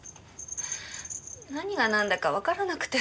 何がなんだかわからなくて。